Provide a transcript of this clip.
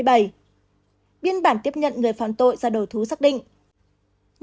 biên bản tiếp nhận người phạm tội ra đầu thú xác định